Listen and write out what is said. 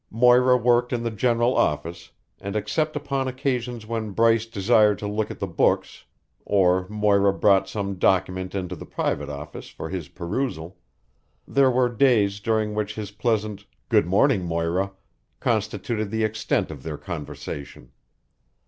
Moira worked in the general office, and except upon occasions when Bryce desired to look at the books or Moira brought some document into the private office for his perusal, there were days during which his pleasant "Good morning, Moira," constituted the extent of their conversation.